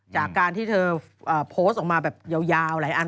จากการที่เธอโพสต์ออกมาแบบยาวหลายอัน